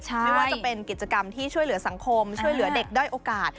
ไม่ว่าจะเป็นกิจกรรมที่ช่วยเหลือสังคมช่วยเหลือเด็กด้อยโอกาส